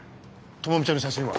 朋美ちゃんの写真は？